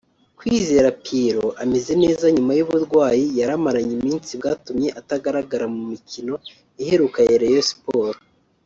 Kwizera Pierrot ameze neza nyuma y’uburwayi yari amaranye iminsi bwatumye atagaragara mu mikino iheruka ya Rayon Sports